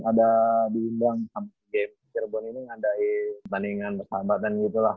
ada diimbang game cirebon ini ngadain pertandingan persahabatan gitu lah